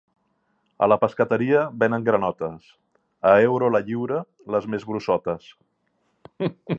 A la pescateria venen granotes, a euro la lliura les més grossotes.